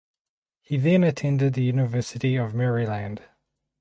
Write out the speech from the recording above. He then attended the University of Maryland.